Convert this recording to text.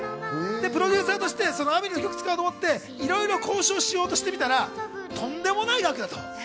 プロデューサーとしてその曲を使おうと思って交渉してみたらとんでもない額だと。